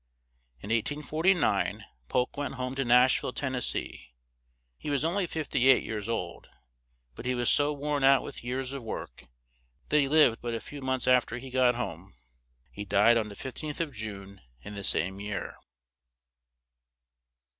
In 1849 Polk went home to Nash ville, Ten nes see; he was on ly fif ty eight years old; but was so worn out with years of work that he lived but a few months af ter he got home; he died on the 15th of June, in the same year.